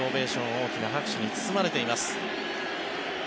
大きな拍手に包まれています。